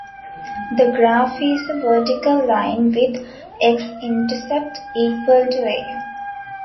The graph is a vertical line with "x"-intercept equal to "a".